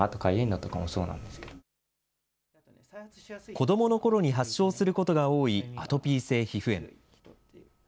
子どものころに発症することが多いアトピー性皮膚炎。